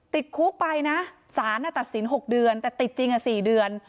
ติดคุกไปนะสารตัดสิน๖เดือนแต่ติดจริง๔เดือน